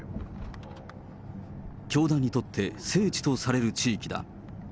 教団にとって聖地とされる地域だ。